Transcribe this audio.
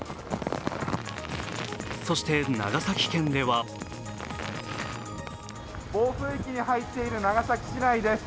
そして長崎県では暴風域に入っている長崎市内です。